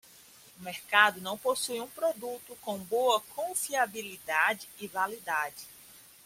O mercado não possui um produto com boa confiabilidade e validade.